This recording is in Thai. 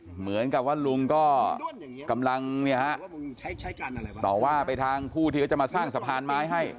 เหมือนกับว่าลุงก็กำลังต่อว่าไปทางผู้ที่เขาจะมาสร้างสะพานไม้ให้